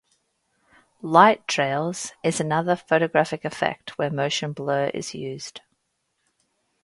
Light trails is another photographic effect where motion blur is used.